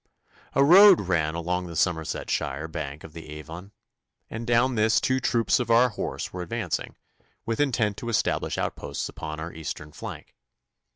A road ran along the Somersetshire bank of the Avon, and down this two troops of our horse were advancing, with intent to establish outposts upon our eastern flank.